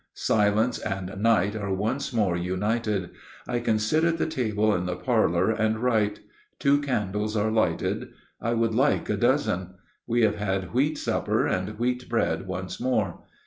Silence and night are once more united. I can sit at the table in the parlor and write. Two candles are lighted. I would like a dozen. We have had wheat supper and wheat bread once more.